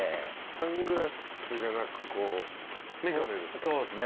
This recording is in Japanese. サングラスじゃなくこう眼鏡ですか？